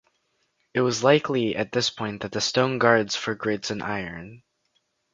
It was likely at this point that the stone guards for grates in iron.